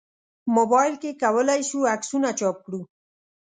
موبایل کې کولای شو عکسونه چاپ کړو.